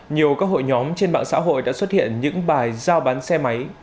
nhiều các hội nhóm trên mạng xã hội đã xuất hiện những bài giao bán xe máy